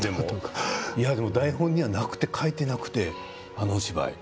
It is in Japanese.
でも、台本には泣くと書いていなくてあのお芝居。